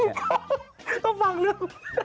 เพราะฟังเรื่อง